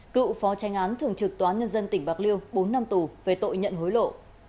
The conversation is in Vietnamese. cựu phó tranh án thường trực tòa án nhân dân tỉnh bạc liêu bốn năm tù về tội nhận hối lộ